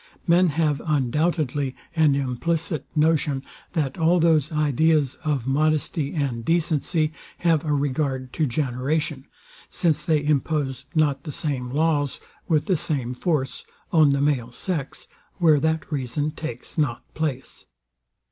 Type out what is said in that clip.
Men have undoubtedly an implicit notion, that all those ideas of modesty and decency have a regard to generation; since they impose not the same laws, with the same force, on the male sex, where that reason takes not place.